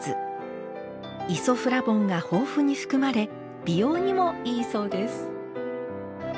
イソフラボンが豊富に含まれ美容にもいいそうです。